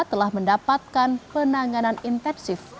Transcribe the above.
telah mendapatkan penanganan intensif